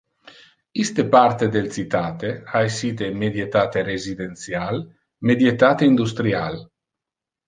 Iste parte del citate ha essite medietate residential, medietate industrial.